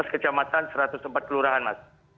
sebelas kecamatan satu ratus empat kelurahan mas